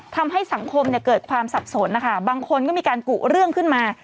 ทำให้สังคมเกิดความสับสนนะคะบางคนก็มีการกุเรื่องขึ้นมา